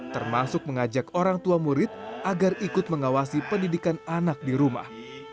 termasuk mengajak orang tua murid agar ikut mengawasi pendidikan anak di rumah